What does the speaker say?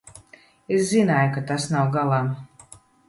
Es zināju, ka tas nav galā.